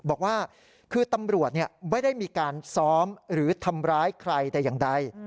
บอกว่าคือตำรวจไม่ได้มีการซ้อมหรือทำร้ายใครแต่อย่างใด